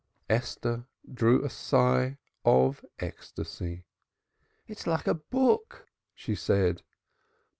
Esther drew a sigh of ecstasy. "It's like a book," she said.